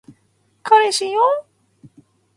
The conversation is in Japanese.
彼氏よ